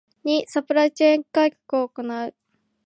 ⅱ サプライチェーン改革を行う